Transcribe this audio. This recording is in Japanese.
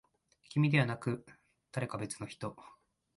君ではなく、誰か別の人。